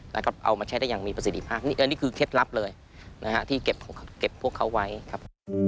แล้วก็เอามาใช้ได้อย่างมีประสิทธิภาพนี่อันนี้คือเคล็ดลับเลยนะฮะที่เก็บพวกเขาไว้ครับ